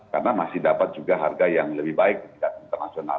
karena masih dapat juga harga yang lebih baik di tingkat internasional